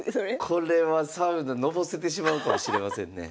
これはサウナのぼせてしまうかもしれませんね。